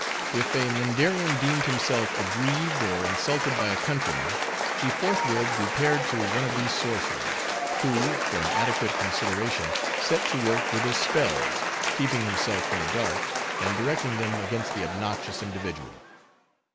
If a Mindarian deemed himself aggrieved or insulted by a countryman, he forthwith repaired to one of these sorcerers; who, for an adequate consideration, set to work with his spells, keeping himself in the dark, and directing them against the obnoxious individual.